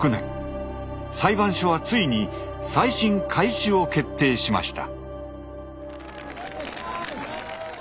裁判所はついに再審開始を決定しました。